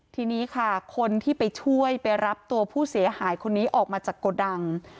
ทีนี้ค่ะคนที่ไปช่วยไปรับตัวผู้เสียหายคนนี้ออกมาจากโกดัง